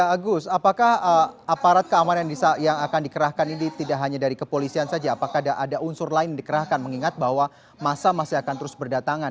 agus apakah aparat keamanan yang akan dikerahkan ini tidak hanya dari kepolisian saja apakah ada unsur lain yang dikerahkan mengingat bahwa masa masih akan terus berdatangan